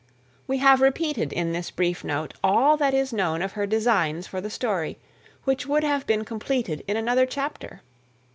We have repeated, in this brief note, all that is known of her designs for the story, which would have been completed in another chapter.